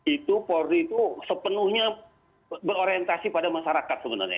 itu polri itu sepenuhnya berorientasi pada masyarakat sebenarnya